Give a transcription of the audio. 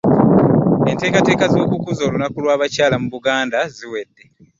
Enteekateeka z'okukuza olunaku lw'abakyala mu Buganda ziwedde